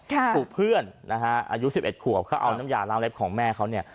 ถูกเพื่อนนะฮะอายุ๑๑ขวบเขาเอาน้ำยาล้างเล็บของแม่เขาเนี่ย